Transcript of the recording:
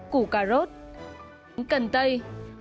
củ cà rốt cần tây